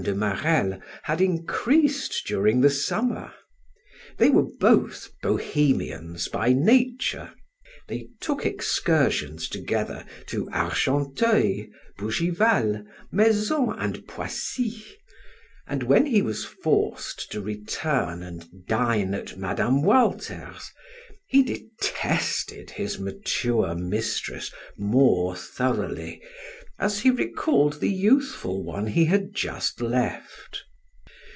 de Marelle had increased during the summer. They were both Bohemians by nature; they took excursions together to Argenteuil, Bougival, Maisons, and Poissy, and when he was forced to return and dine at Mme. Walter's, he detested his mature mistress more thoroughly, as he recalled the youthful one he had just left.